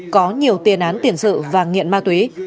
có nhiều tiền án tiền sự và nghiện ma túy